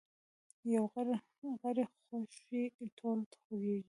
یو غړی خوږ شي ټول خوږیږي